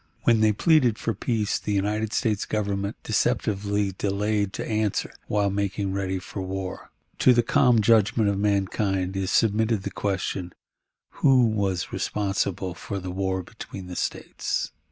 When they pleaded for peace, the United States Government deceptively delayed to answer, while making ready for war. To the calm judgment of mankind is submitted the question, Who was responsible for the war between the States?